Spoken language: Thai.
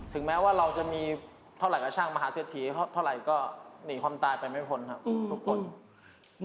แม้ว่าเราจะมีเท่าไหร่กับช่างมหาเศรษฐีเท่าไหร่ก็หนีความตายไปไม่พ้นครับทุกคน